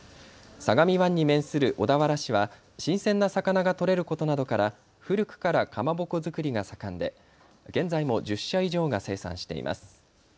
相模湾に面する小田原市は新鮮な魚が取れることなどから古くからかまぼこ作りが盛んで現在も１０社以上が生産しています。